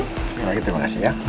terima kasih ya